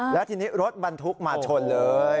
แล้วทีนี้รถบรรทุกมาชนเลย